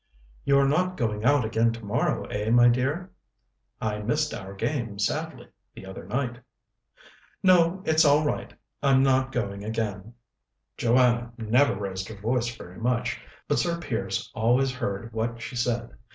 "You're not going out again tomorrow, eh, my dear? I missed our game sadly the other night." "No, it's all right; I'm not going again." Joanna never raised her voice very much, but Sir Piers always heard what she said.